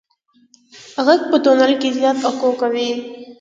غږ په تونل کې زیات اکو کوي.